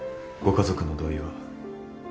ご家族の同意は？